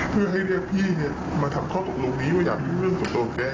เพื่อให้เรียกพี่เนี้ยมาทำข้อตกลงนี้ว่าอย่ายุ่งเรื่องส่วนตัวแก